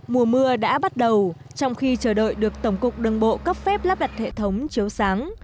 mùa mưa đã bắt đầu trong khi chờ đợi được tổng cục đường bộ cấp phép lắp đặt hệ thống chiếu sáng